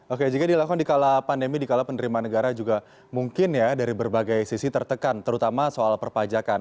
oke jika dilakukan di kala pandemi di kala penerimaan negara juga mungkin ya dari berbagai sisi tertekan terutama soal perpajakan